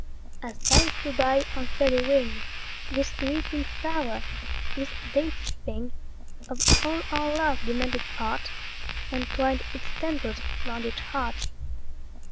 As time flew by on fairy wing, This wee pink flower, this dainty thing, Of all our love demanded part, And twined its tendrils 'round each heart.